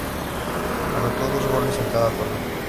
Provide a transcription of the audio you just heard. Anotó dos goles en cada torneo.